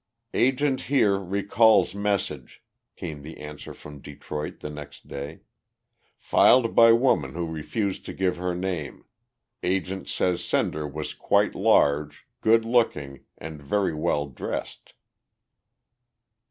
"Agent here recalls message," came the answer from Detroit the next day. "Filed by woman who refused to give her name. Agent says sender was quite large, good looking, and very well dressed."